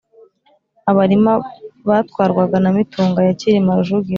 Abarima batwarwaga na Mitunga ya Cyilima Rujugira